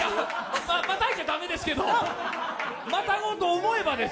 またいじゃ駄目ですけれども、またごうと思えばです。